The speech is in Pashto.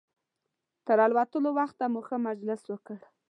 تر الوتلو وخته مو ښه مجلس وکړ.